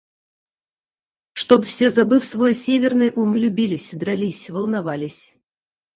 Чтоб все, забыв свой северный ум, любились, дрались, волновались.